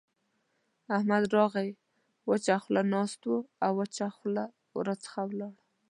احمد راغی؛ وچه خوله ناست وو او وچه خوله راڅخه ولاړ.